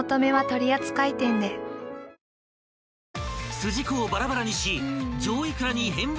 ［筋子をバラバラにし］